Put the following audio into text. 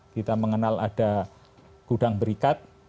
kita mengenal ada gudang berikat